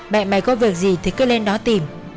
mẹ mày có việc gì thì cứ lên đó tìm